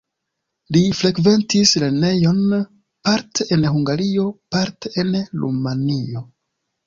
Li frekventis lernejon parte en Hungario, parte en Rumanio.